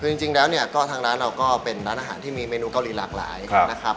คือจริงแล้วเนี่ยก็ทางร้านเราก็เป็นร้านอาหารที่มีเมนูเกาหลีหลากหลายนะครับ